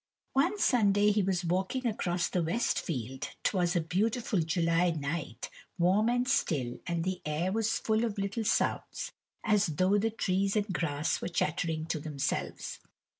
One Sunday he was walking across the west field, 't was a beautiful July night, warm and still and the air was full of little sounds as though the trees and grass were chattering to themselves.